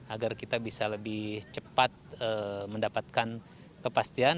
agar kita bisa lebih cepat mendapatkan kepastian